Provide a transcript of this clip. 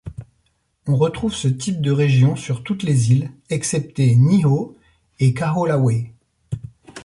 On retrouve ce type de région sur toutes les îles excepté Nihau et Kahoolawe.